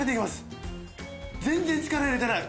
全然力入れてない。